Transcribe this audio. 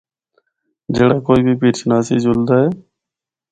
جِڑا کوئی بھی پیر چناسی جُلدا اے۔